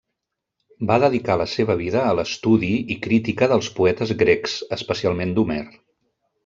Va dedicar la seva vida a l'estudi i crítica dels poetes grecs, especialment d'Homer.